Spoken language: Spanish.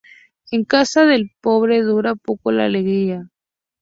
En casa del pobre, dura poco la alegría